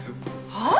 はあ？